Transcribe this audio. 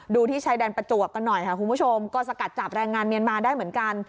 ที่ชายแดนประจวบกันหน่อยค่ะคุณผู้ชมก็สกัดจับแรงงานเมียนมาได้เหมือนกัน